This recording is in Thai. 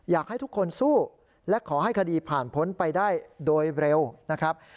อยากให้ทุกคนสู้และขอให้คดีผ่านพ้นไปได้โดยเร็วนะครับ